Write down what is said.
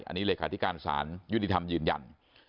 อันนี้เลยค่ะที่การสารยุนิธรรมยืนยัน